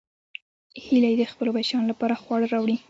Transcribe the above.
هیلۍ د خپلو بچیانو لپاره خواړه راوړي